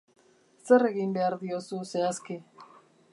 Zer egin behar diozu zehazki?